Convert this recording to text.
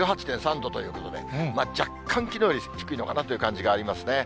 １８．３度ということで、若干きのうより低いのかなという感じがありますね。